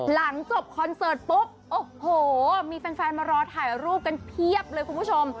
หลังจบคอนเสิร์ตปุ๊บโอ้โหมีแฟนมารอถ่ายรูปกันเพียบเลยคุณผู้ชม